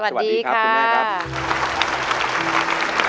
สวัสดีค่ะคุณแม่ครับ